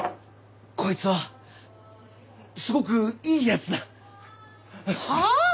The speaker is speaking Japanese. こいつはすごくいい奴だ。はあ！？